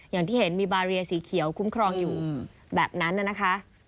อย่างที่เห็นมีบาเรียสีเขียวคุ้มครองอยู่แบบนั้นนะคะ